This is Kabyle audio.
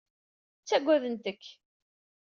Ttagadent-k.